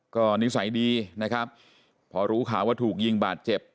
ก็นิสัยดีนะครับพอรู้ข่าวว่าถูกยิงบาดเจ็บ